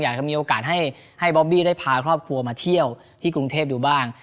อยากจะมีโอกาสให้บอบบี้ได้พาครอบครัวมาเที่ยวที่กรุงเทพดูบ้าง